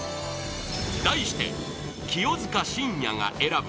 題して、清塚信也が選ぶ！